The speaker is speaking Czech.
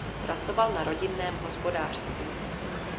Pracoval na rodinném hospodářství.